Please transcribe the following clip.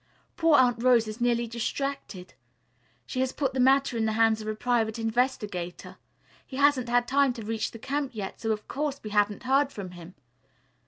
Poor Aunt Rose is nearly distracted. She has put the matter in the hands of a private investigator. He hasn't had time to reach the camp yet so, of course, we haven't heard from him.